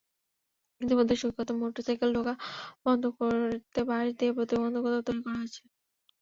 ইতিমধ্যে সৈকতে মোটরসাইকেল ঢোকা বন্ধ করতে বাঁশ দিয়ে প্রতিবন্ধকতা তৈরি করা হয়েছে।